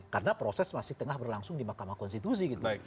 karena proses masih tengah berlangsung di mahkamah konstitusi gitu